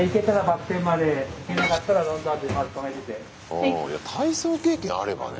ああ体操経験あればね